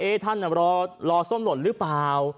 ท่านรอส้มหล่นหรือเปล่า